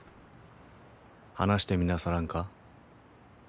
話してみなさらんか。